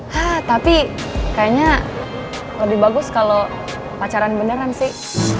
hah tapi kayaknya lebih bagus kalau pacaran beneran sih